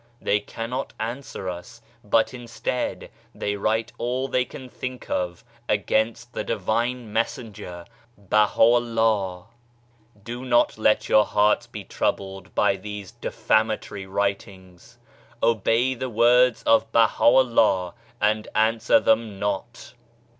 They cannot answer us, but instead, they write all they can think of against the Divine Messenger, Baha'u'llah. Do not let your hearts be troubled by these defamatory writings !_ Obey the words of BahVllah and answer them not.